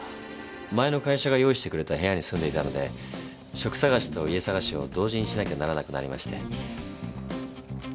前の会社が用意してくれた部屋に住んでいたので職探しと家探しを同時にしなきゃならなくなりまして。